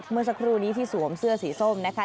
เมื่อสักครู่นี้ที่สวมเสื้อสีส้มนะคะ